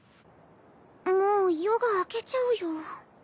もう夜が明けちゃうよ。